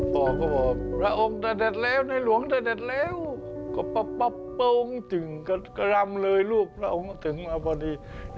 พ่อก็บอกระองค์ตัวเด็ดแล้วนายหลวงตัวเด็ดแล้ว